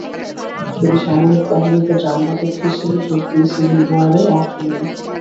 তিনি সামরিক বাহিনীতে ড্রামবাদক হিসেবে যোগ দিয়ে সিভিল ওয়ারে অংশ নেন।